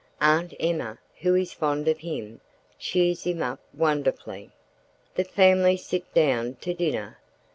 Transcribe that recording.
Aunt Emma, who is fond of him, cheers him up wonderfully. The family sit down to dinner.